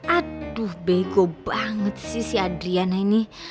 aduh bego banget sih si adriana ini